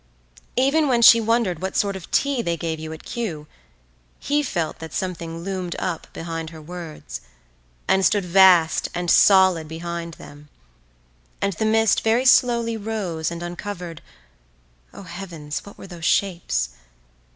Even when she wondered what sort of tea they gave you at Kew, he felt that something loomed up behind her words, and stood vast and solid behind them; and the mist very slowly rose and uncovered—O, Heavens, what were those shapes?